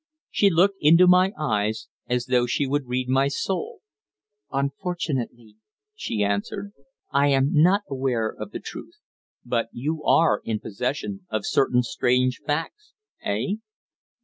She looked into my eyes, as though she would read my soul. "Unfortunately," she answered, "I am not aware of the truth." "But you are in possession of certain strange facts eh?"